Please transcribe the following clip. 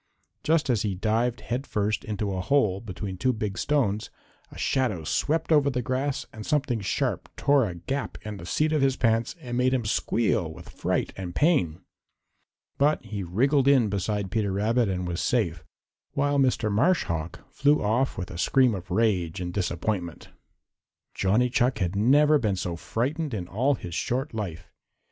Just as he dived head first into a hole between two big stones, a shadow swept over the grass and something sharp tore a gap in the seat of his pants and made him squeal with fright and pain. But he wriggled in beside Peter Rabbit and was safe, while Mr. Marsh Hawk flew off with a scream of rage and disappointment. Johnny Chuck had never been so frightened in all his short life.